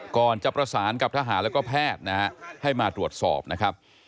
ก่อนจะประสานกับทหารแล้วก็แพทย์นะฮะให้มาตรวจสอบนะครับ